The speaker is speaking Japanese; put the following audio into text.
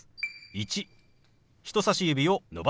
「１」。